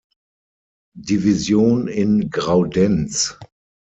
Division in Graudenz.